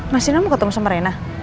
masih kamu ketemu sama rena